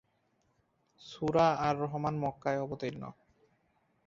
সূরা আর-রাহমান মক্কায় অবতীর্ণ।